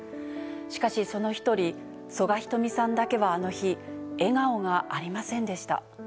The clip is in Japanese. しかし、その一人、曽我ひとみさんだけはあの日、笑顔がありませんでした。